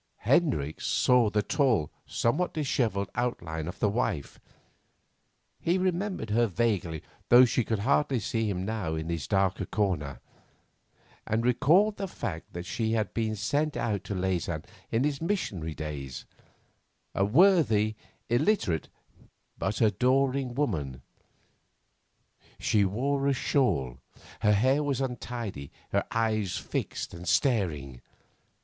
Hendricks saw the tall, somewhat dishevelled outline of the wife he remembered her vaguely, though she could hardly see him now in his darker corner and recalled the fact that she had been sent out to Leysin in his missionary days, a worthy, illiterate, but adoring woman. She wore a shawl, her hair was untidy, her eyes fixed and staring.